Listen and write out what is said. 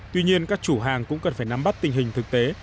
tuy nhiên các chủ hàng cũng cần phải nắm bắt tình hình thực tế